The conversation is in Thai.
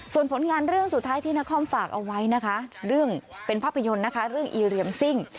ส่วนผลงานเรื่องสุดท้ายที่นครฝากเอาไว้นะคะเรื่องเป็นภาพยนตร์นะคะเรื่องอีเรียมซิ่ง